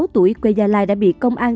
hai mươi sáu tuổi quê gia lai đã bị công an